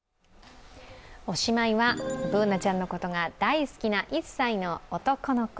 おしまいは、Ｂｏｏｎａちゃんのことが大好きな１歳の男の子。